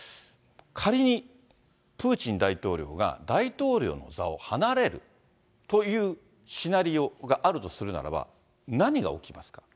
仮にプーチン大統領が大統領の座を離れるというシナリオがあるとするならば、何が起きますか？